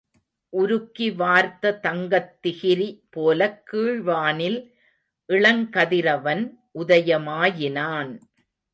உருக்கி வார்த்த தங்கத் திகிரி போலக் கீழ்வானில் இளங்கதிரவன் உதயமாயினான்.